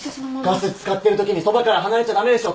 ガス使ってるときにそばから離れちゃ駄目でしょ！